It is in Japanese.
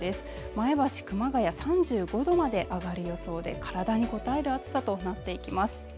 前橋、熊谷３５℃まで上がる予想で、体にこたえる暑さとなっていきます。